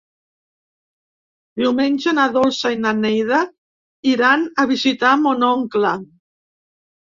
Diumenge na Dolça i na Neida iran a visitar mon oncle.